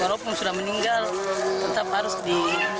walaupun sudah meninggal tetap harus di